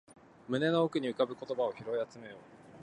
胸の奥に浮かぶ言葉を拾い集めよう